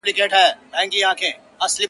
څه لښکر لښکر را ګورې څه نیزه نیزه ږغېږې,